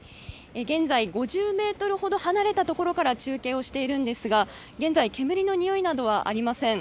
現在、５０ｍほど離れたところから中継をしているんですが現在、煙のにおいなどはありません